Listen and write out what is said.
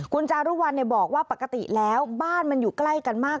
คุณจารุวัลบอกว่าปกติแล้วบ้านมันอยู่ใกล้กันมาก